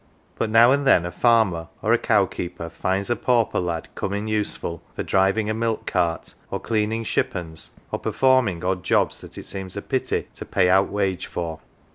But now and then a farmer or a cow keeper finds a pauper lad " come in useful " for driving a milk cart, or cleaning shippons, or performing odd jobs that it seems a pity to " pay out wage " for.